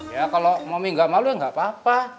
ya kalau momi gak malu ya gak apa apa